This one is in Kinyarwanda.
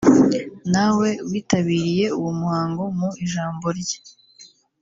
na we witabiriye uwo muhango mu ijambo rye